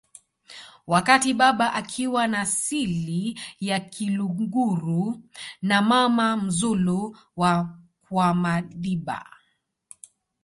wakati baba akiwa na sili ya kiluguru na mama mzulu wa kwamadiba